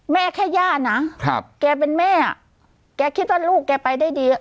แม่แค่ย่านนะแกเป็นแม่แกคิดว่าลูกแกไปได้ดี